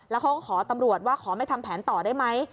แล้วเขาก็ขอตำรวจว่าขอไม่ทำแผนต่อได้ไหม